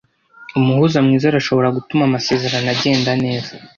Umuhuza mwiza arashobora gutuma amasezerano agenda neza.